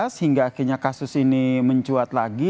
sehingga akhirnya kasus ini mencuat lagi